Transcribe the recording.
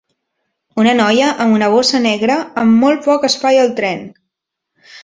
Una noia amb una bossa negra amb molt poc espai al tren.